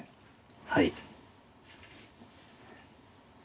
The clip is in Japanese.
はい。